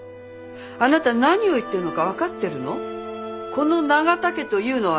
この永田家というのはね。